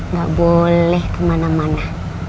gak boleh kemana mana